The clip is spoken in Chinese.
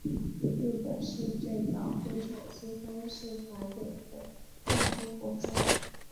日本是最早编纂西方式法典的亚洲国家。